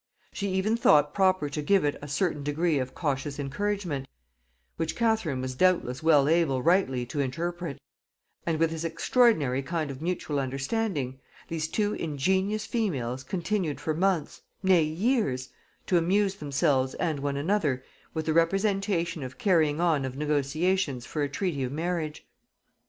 She even thought proper to give it a certain degree of cautious encouragement, which Catherine was doubtless well able rightly to interpret; and with this extraordinary kind of mutual understanding, these two ingenious females continued for months, nay years, to amuse themselves and one another with the representation of carrying on of negotiations for a treaty of marriage.